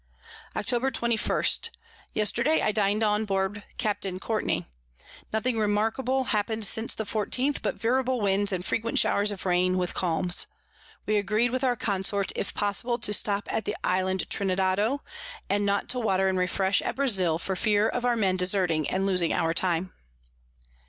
Octob. 21. Yesterday I din'd on board Captain Courtney. Nothing remarkable happen'd since the 14_th_, but veerable Winds and frequent Showers of Rain, with Calms. We agreed with our Consort, if possible, to stop at the Isle Trinidado, and not to water and refresh at Brazile, for fear of our Mens deserting, and losing our time.